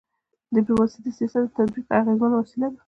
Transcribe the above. ډيپلوماسي د سیاست د تطبیق اغيزمنه وسیله ده.